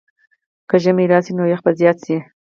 که ژمی راشي، نو یخ به زیات شي.